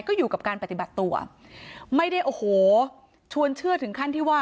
ก็อยู่กับการปฏิบัติตัวไม่ได้โอ้โหชวนเชื่อถึงขั้นที่ว่า